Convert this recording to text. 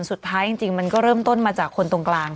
สุดท้ายจริงมันก็เริ่มต้นมาจากคนตรงกลาง